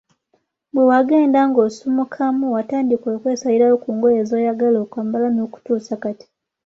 Bwewagenda ng‘osuumukamu watandika okwesalirawo ku ngoye z‘oyagala okwambala n‘okutuusa kati.